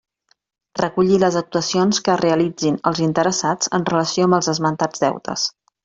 Recollir les actuacions que realitzin els interessats en relació amb els esmentats deutes.